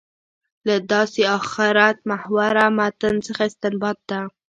له داسې آخرت محوره متن څخه استنباط ده.